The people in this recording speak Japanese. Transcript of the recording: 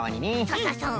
そうそうそう。